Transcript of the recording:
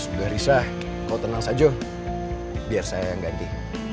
sudah risah kau tenang saja biar saya yang ganti